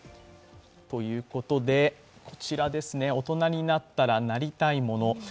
ということで、こちら大人になったらなりたいもの。